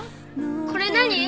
これ何？